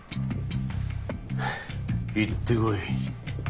行ってこい。